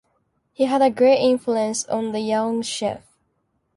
He had a great influence on the young Jef.